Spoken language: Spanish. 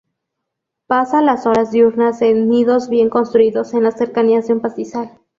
Pasa las horas diurnas en nidos bien construidos en las cercanías de un pastizal.